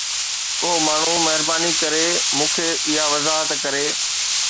ڪو ماڻهو مهرباني ڪري مون کي اها وضاحت ڪري